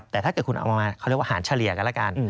แต่ถ้าเกิดคุณเอามาว่าหารเชลียกันแล้วกัน